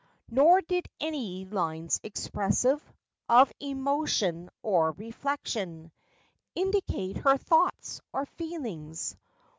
Nor did any lines expressive Of emotion or reflection Indicate her thoughts or feelings.